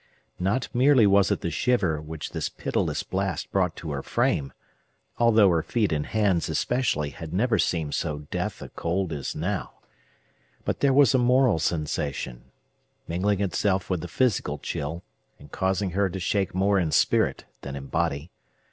Not merely was it the shiver which this pitiless blast brought to her frame (although her feet and hands, especially, had never seemed so death a cold as now), but there was a moral sensation, mingling itself with the physical chill, and causing her to shake more in spirit than in body.